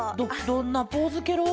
どんなポーズケロ？